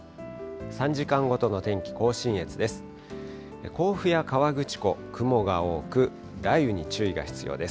３時間ごとの天気、甲信越です。